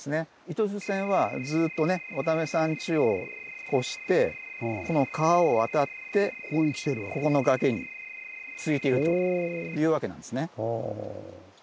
糸静線はずっとね渡辺さんちを越してこの川を渡ってここの崖に続いているというわけなんですね。